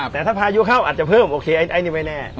แต่ถ้าพายุเข้าอาจจะเพิ่มโอเคไอ้นี่ไม่แน่